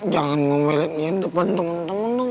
jangan ngomelin ian depan temen temen